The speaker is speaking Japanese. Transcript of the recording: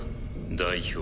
代表。